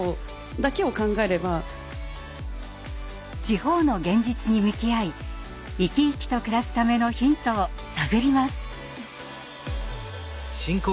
地方の現実に向き合い生き生きと暮らすためのヒントを探ります！